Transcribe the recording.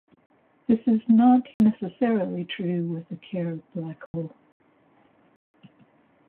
This is not necessarily true with a Kerr black hole.